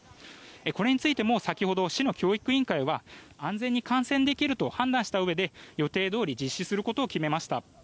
これについても先ほど市の教育委員会は安全に観戦できると判断したうえで予定どおり実施することを決めました。